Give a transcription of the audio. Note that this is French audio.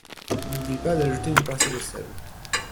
N'oublie pas d'ajouter une pincée de sel!